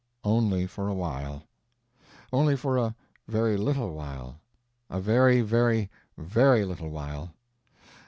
Only for a while. Only for a very little while, a very, very, very little while.